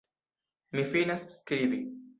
Mi finas skribi.